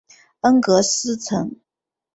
恩格斯城。